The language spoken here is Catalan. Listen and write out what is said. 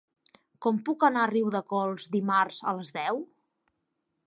Com puc anar a Riudecols dimarts a les deu?